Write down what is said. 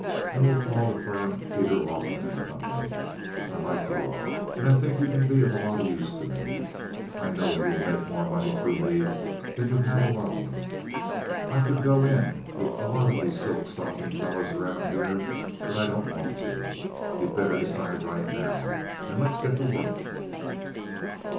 and we'll call the firm Peter Laughlin & Co. I like you, and I think you can be of a lot of use to me. I know you will make more money through me than you have alone. I could go in with a lot of these silk stocking fellows around here, but I don't want to. You'd better decide right now, and let's get to work."